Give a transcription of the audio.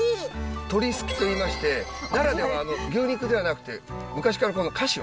鶏すきといいまして奈良では牛肉ではなくて昔からこのかしわ。